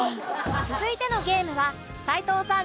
続いてのゲームは齊藤さん